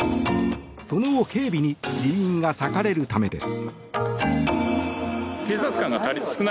その警備に人員が割かれるためです。